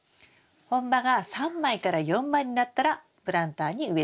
本葉が３枚から４枚になったらプランターに植えつけです。